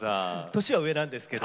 年は上なんですけど。